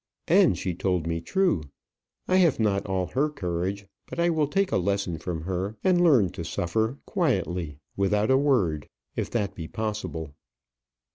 And she told me true. I have not all her courage; but I will take a lesson from her, and learn to suffer quietly, without a word, if that be possible."